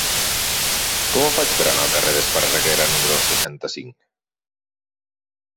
Com ho faig per anar al carrer d'Esparreguera número seixanta-cinc?